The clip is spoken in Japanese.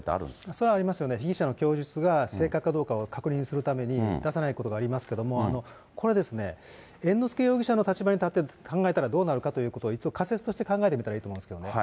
それはありますよね、被疑者の供述が正確かどうかを確認するために出さないことがありますけども、これ、猿之助容疑者の立場に立って考えたらどうなるかということを一度、仮説として考えてみたらいいと思いますけどね。